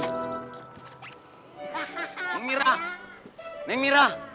neng mirah neng mirah